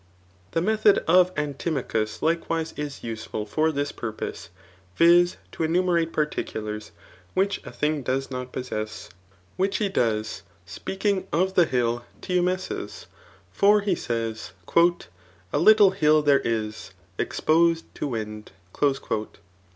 The m^hod of Antimachus likewise is useful for this purpose, viz* to enumerate particulars,' which a thing does not possess, which he does, speaking of the hill Teumessus ; for he A little hni "ttiere is^ ezposM to ^ini. '.